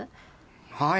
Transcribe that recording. はい。